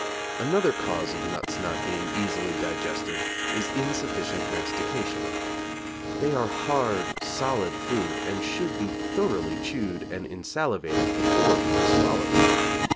Another cause of nuts not being easily digested is insufficient mastication. They are hard, solid food, and should be thoroughly chewed and insalivated before being swallowed.